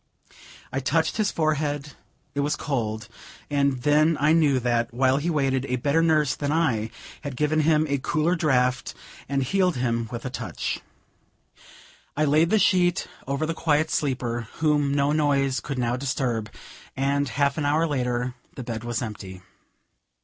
I touched his forehead; it was cold: and then I knew that, while he waited, a better nurse than I had given him a cooler draught, and healed him with a touch. I laid the sheet over the quiet sleeper, whom no noise could now disturb; and, half an hour later, the bed was empty.